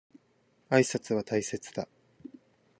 挨拶は大切だ。